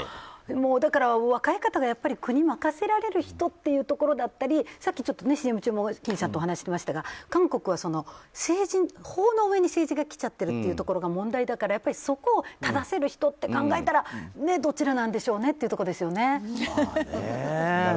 だから若い方が国を任せられる人っていうところだったりさっき、ＣＭ中も金さんとお話ししてましたが韓国は法の上に政治がきちゃってるというのが問題だからそこを正せる人って考えたらどちらなんでしょうねというところですよね。